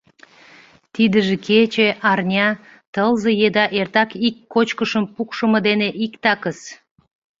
Тидыже кече, арня, тылзе еда эртак ик кочкышым пукшымо дене иктакыс.